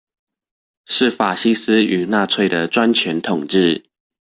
是法西斯與納粹的專權統治